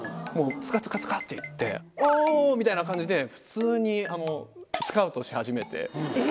ツカツカツカって行って「お！」みたいな感じで普通にスカウトし始めて。